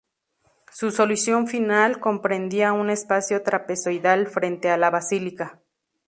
Su solución final comprendía un espacio trapezoidal frente a la basílica.